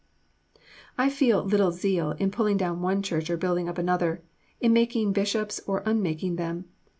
I feel little zeal in pulling down one Church or building up another, in making Bishops or unmaking them.